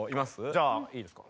じゃあいいですか？